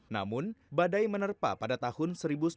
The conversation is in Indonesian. namun badai menerpa pada tahun seribu sembilan ratus delapan puluh